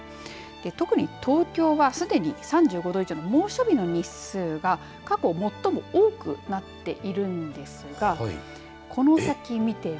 特に東京はすでに３５度以上の猛暑日の日数が過去最も多くなっているんですがこの先見ても。